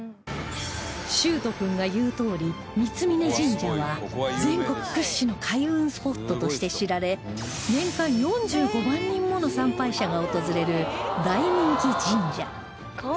秀斗君が言うとおり三峯神社は全国屈指の開運スポットとして知られ年間４５万人もの参拝者が訪れる大人気神社